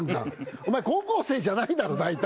お前、高校生じゃないだろ、大体。